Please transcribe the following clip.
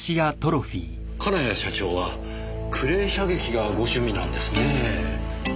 金谷社長はクレー射撃がご趣味なんですねえ。